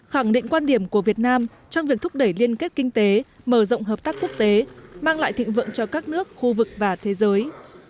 khẳng định quan điểm của việt nam trong việc thúc đẩy liên kết kinh tế mở rộng hợp tác quốc tế mang lại thịnh vượng cho các nước khu vực và thế giới